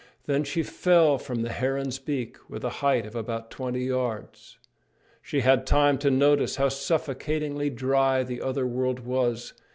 Then she fell from the heron's beak, from a height of about twenty yards. She had time to notice how suffocatingly dry the other world was.